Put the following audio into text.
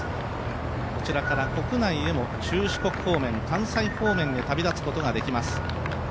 こちらから国内へも中四国方面、関西方面へ旅立つことができます。